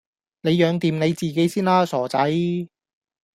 你養掂你自己先啦，傻仔